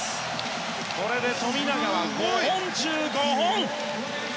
これで富永は５本中５本。